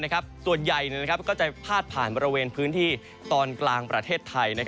ส่วนใหญ่ก็จะพาดผ่านบริเวณพื้นที่ตอนกลางประเทศไทย